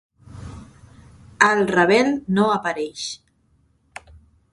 El Ravel no apareix.